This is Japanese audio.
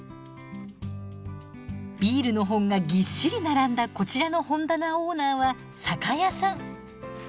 ビールの本がぎっしり並んだこちらの本棚オーナーは酒屋さん。